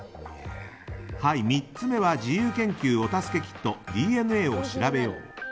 ３つ目は「自由研究おたすけキットＤＮＡを調べよう」。